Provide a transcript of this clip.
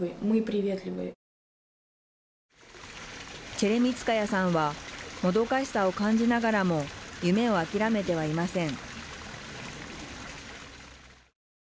チェレミツカヤさんはもどかしさを感じながらも夢を諦めてはいません。